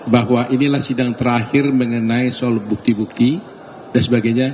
bahwa inilah sidang terakhir mengenai soal bukti bukti dan sebagainya